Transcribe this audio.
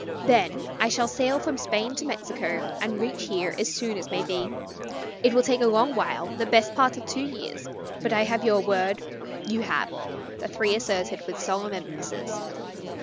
Then I shall sail from Spain to Mexico and reach here as soon as may be. It will take a long while, the best part of two years; but I have your word " "You have," the three asserted with solemn emphasis.